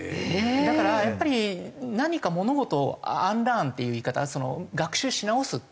だからやっぱり何か物事をアンラーンっていう言い方学習し直すっていう。